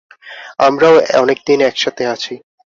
আমরাও অনেকদিন একসাথে আছি।